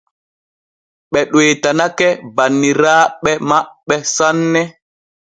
Ɓe ɗoytanake banniraaɓe maɓɓe sanne.